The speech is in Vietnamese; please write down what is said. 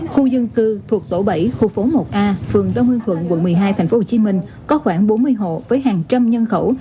khu dân cư thuộc tổ bảy khu phố một a phường đông hương thuận quận một mươi hai tp hcm có khoảng bốn mươi hộ với hàng trăm nhân khẩu